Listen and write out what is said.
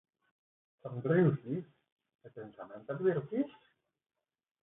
Somrius, Jeeves. El pensament et diverteix?